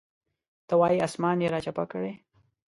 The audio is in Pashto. ته وایې اسمان یې راچپه کړی.